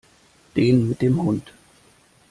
Den mit dem Hund.